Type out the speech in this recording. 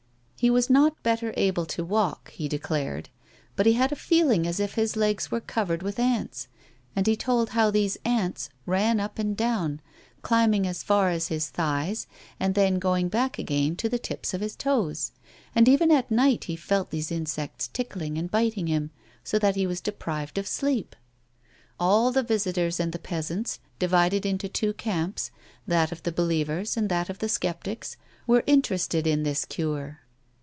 He was not better able to walk, he declared, but he had a feeling as if his legs were covered with ants; and he told how these ants ran up and down, climbing as far as his thighs, and then going back again to the tips of his toes. And even at night he felt these insects tickling and biting him, so that he was deprived of sleep. All the visitors and the peasants, divided into two camps, that of the believers and that of the sceptics, were interested in this cure.